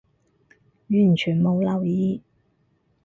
完全冇留意